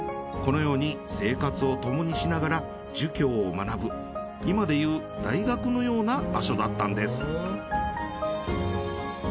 このように生活を共にしながら儒教を学ぶ今でいう大学のような場所だったんです。